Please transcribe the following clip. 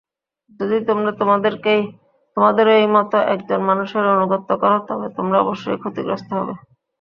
যদি তোমরা তোমাদেরই মত একজন মানুষের আনুগত্য কর তবে তোমরা অবশ্যই ক্ষতিগ্রস্ত হবে।